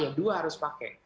dua ya dua harus pakai